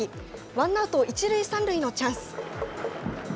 ワンアウト１塁３塁のチャンス。